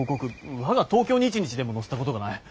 我が「東京日日」でも載せたことがない。